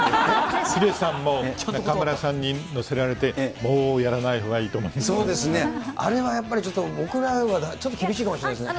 ヒデさんも中丸さんにのせられて、もうやらないほうがいいと思いまそうですね、あれはやっぱりちょっと、僕らにはちょっと厳しいかもしれないですね。